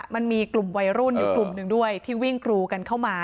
มันมีกลุ่มวัยรุ่นอยู่กลุ่มหนึ่งด้วยที่วิ่งกรูกันเข้ามา